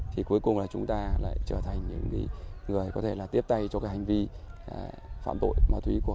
thì cuối cùng là chúng ta lại trở thành những người có thể là tiếp tay cho cái hành vi phạm tội ma túy của các đối tượng